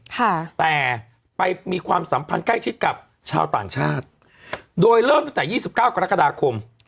แต่ไปมีความสัมผัสใกล้ชิดกับชาวต่างชาติโดยเริ่มตั้งแต่๒๙กรกฎาคม